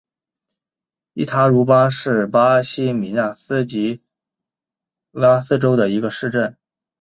伊塔茹巴是巴西米纳斯吉拉斯州的一个市镇。